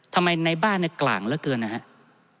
ทำไมในบ้านกล่างเหลือเกินนะครับ